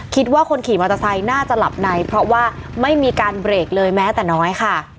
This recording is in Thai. คิดว่าคนขี่มอเตอร์ไซค์น่าจะหลับในเพราะว่าไม่มีการเบรกเลยแม้แต่น้อยค่ะ